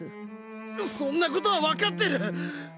そんなことは分かってる！